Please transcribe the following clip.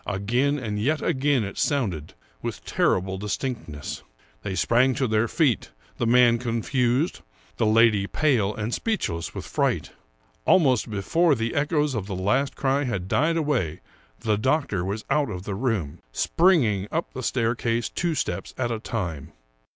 Again and yet again it sounded, with terrible distinctness. They sprang to their feet, the man confused, the lady pale and speechless with fright. Almost before the echoes of the last cry had died away the doctor was out of the room, springing up the staircase two steps at a time.